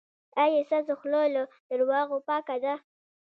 ایا ستاسو خوله له درواغو پاکه ده؟